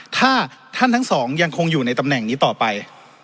ถ้าท่านทั้งสองยังคงอยู่ในตำแหน่งนี้ต่อไป